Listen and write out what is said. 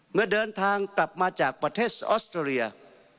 เมื่อเดินทางกลับมาจากปเตชออสเตอรียา